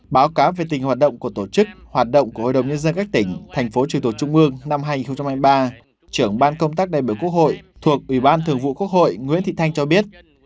báo cáo về tình hoạt động của tổ chức hoạt động của hội đồng nhân dân các tỉnh thành phố trừ tội trung ương năm hai nghìn hai mươi ba trưởng ban công tác đại biểu quốc hội thuộc ủy ban thường vụ quốc hội nguyễn thị thanh cho biết